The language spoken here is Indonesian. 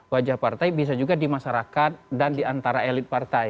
wajah partai bisa juga di masyarakat dan di antara elit partai